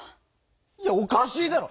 いやおかしいだろ！